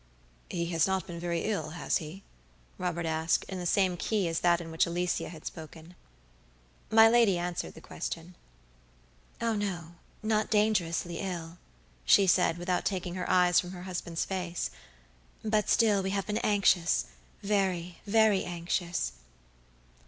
"He has not been very ill, has he?" Robert asked, in the same key as that in which Alicia had spoken. My lady answered the question. "Oh, no, not dangerously ill," she said, without taking her eyes from her husband's face; "but still we have been anxious, very, very anxious."